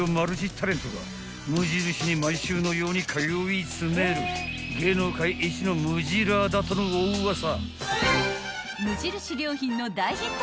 ［無印に毎週のように通い詰める芸能界一のムジラーだとのおウワサ］